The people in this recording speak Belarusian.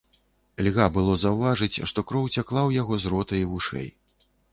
Льга было заўважыць, што кроў цякла ў яго з рота і вушэй.